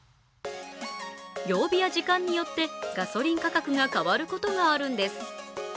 曜日や時間によってガソリン価格が変わることがあるんです。